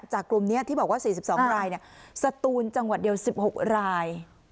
กลุ่มนี้ที่บอกว่า๔๒รายสตูนจังหวัดเดียว๑๖ราย